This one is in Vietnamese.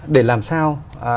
để làm sao